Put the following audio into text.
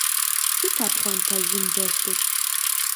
Сыт а пхъуантэжьым дэлъыр?